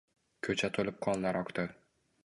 Ko’cha to’lib qonlar oqdi